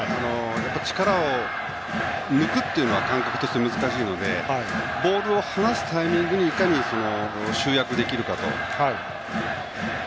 力を抜くっていうのは感覚として難しいのでボールを放すタイミングにいかに集約できるかと。